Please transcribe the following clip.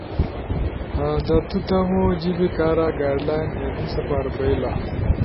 د تُو تم جیبی کارا گائیڈ لائن اینی سپاربئیلا۔